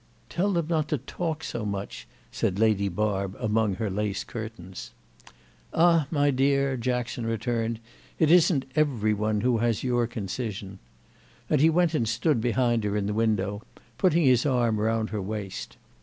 "Tell them not to talk so much," said Lady Barb among her lace curtains. "Ah, my dear," Jackson returned, "it isn't every one who has your concision." And he went and stood behind her in the window, putting his arm round her waist.